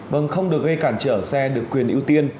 vâng không được gây cản trở xe được quyền ưu tiên